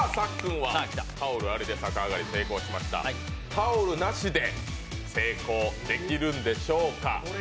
タオルなしで成功できるんでしょうか。